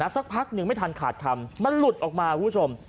สักพักหนึ่งไม่ทันขาดคำมันหลุดออกมาคุณผู้ชม